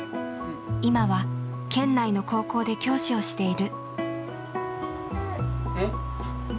今は県内の高校で教師をしている。